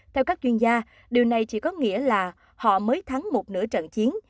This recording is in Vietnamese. theo các chuyên gia điều này chỉ có nghĩa là họ mới thắng một nửa trận chiến